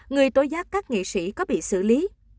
người tố giác các nghệ sĩ có bị xử lý